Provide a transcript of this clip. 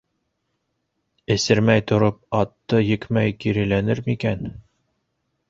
Эсермәй тороп, атты екмәй киреләнер, микән?